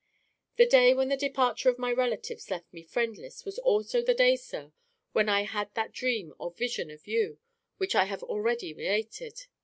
"The day when the departure of my relatives left me friendless was also the day, sir, when I had that dream or vision of you which I have already related.